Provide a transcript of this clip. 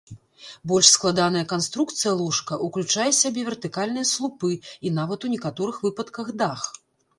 Больш складаная канструкцыя ложка ўключае сябе вертыкальныя слупы і нават у некаторых выпадках дах.